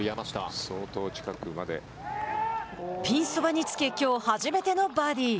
ピンそばにつけきょう初めてのバーディー。